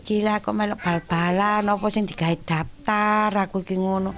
saya melukis bal balan bal balan plastik